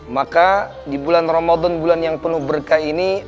maka di bulan ramadan bulan yang penuh berkah ini